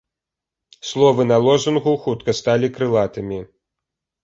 Словы на лозунгу хутка сталі крылатымі.